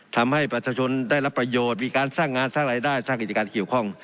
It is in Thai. ทำให้ประชาชนได้รับประโยชน์มีการสร้างงานสร้างรายได้สร้างกิจการเกี่ยวข้อง